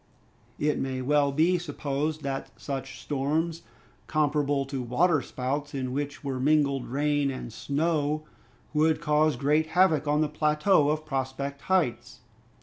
It may well be supposed that such storms, comparable to water spouts in which were mingled rain and snow, would cause great havoc on the plateau of Prospect Heights.